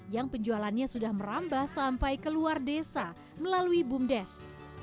yang penjualannya sudah merambah sampai keluar desa melalui bumdes